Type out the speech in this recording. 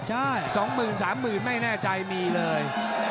๒หมื่น๓หมื่นไม่แน่ใจมีเลย